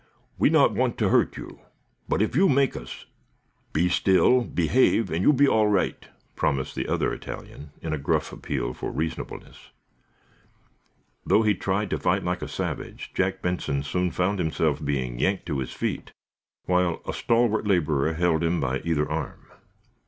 "We not want to hurt you. But, if you make us " "Be still, behave, and you be all right," promised the other Italian, in a gruff appeal for reasonableness. Though he tried to fight like a savage, Jack Benson soon found himself being yanked to his feet, while a stalwart laborer held him by either arm.